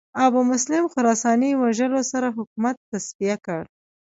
ابومسلم خراساني وژلو سره حکومت تصفیه کړ